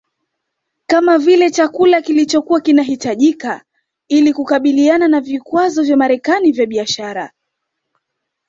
kama vile chakula kilichokua kinahitajika ili kukabiliana na vikwazo vya Marekani vya biashara